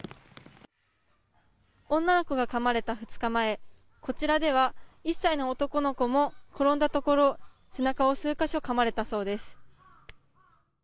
女の子がかまれた２日前こちらでは１歳の男の子も転んだところ背中を数か所かまれたそうです。